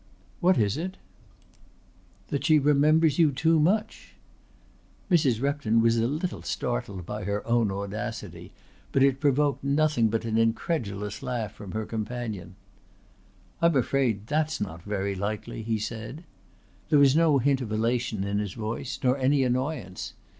"What is it?" "That she remembers you too much." Mrs. Repton was a little startled by her own audacity, but it provoked nothing but an incredulous laugh from her companion. "I am afraid that's not very likely," he said. There was no hint of elation in his voice nor any annoyance.